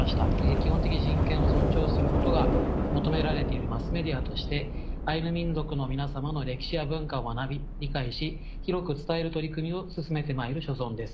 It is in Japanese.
「基本的人権を尊重することが求められているマスメディアとしてアイヌ民族の皆様の歴史や文化を学び理解し広く伝える取り組みを進めてまいる所存です」。